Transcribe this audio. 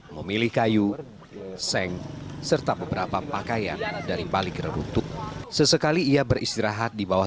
memilih kayu seng serta beberapa pakaian dari balik reruntuk sesekali ia beristirahat di bawah